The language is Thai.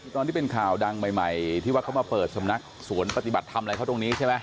ตอนที่เป็นข่าวดังใหม่ที่ว่าเขามาเปิดสำนักสวนปฏิบัติทำอะไรเขาตรงนี้ใช่ไหม